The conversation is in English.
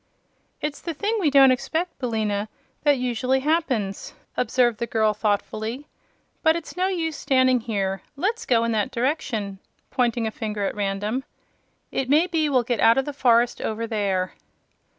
"It's the thing we don't expect, Billina, that usually happens," observed the girl, thoughtfully. "But it's no use standing here. Let's go in that direction," pointing a finger at random. "It may be we'll get out of the forest over there."